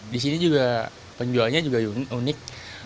disini juga penjualnya juga unik